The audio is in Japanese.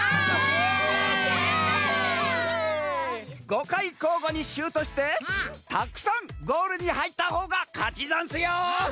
５かいこうごにシュートしてたくさんゴールにはいったほうがかちざんすよ！